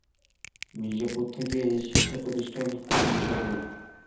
মির্জাপুর থেকে এ শিক্ষাপ্রতিষ্ঠান খুব নিকটেই।